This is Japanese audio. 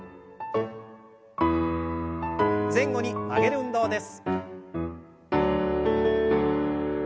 前後に曲げる運動です。